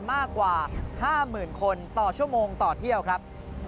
มากกว่า๕๐๐๐คนต่อชั่วโมงต่อเที่ยวครับ